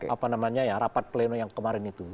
apa namanya ya rapat pleno yang kemarin itu